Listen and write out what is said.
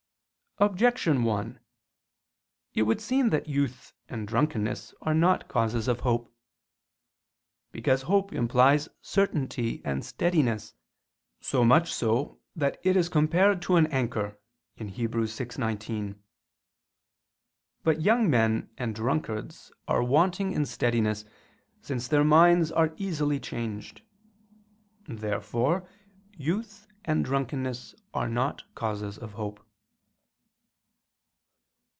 Objection 1: It would seem that youth and drunkenness are not causes of hope. Because hope implies certainty and steadiness; so much so that it is compared to an anchor (Heb. 6:19). But young men and drunkards are wanting in steadiness; since their minds are easily changed. Therefore youth and drunkenness are not causes of hope.